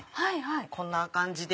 こんな感じで。